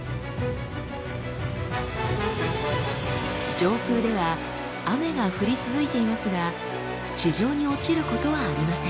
上空では雨が降り続いていますが地上に落ちることはありません。